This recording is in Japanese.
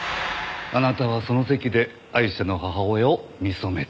あなたはその席でアイシャの母親を見初めた。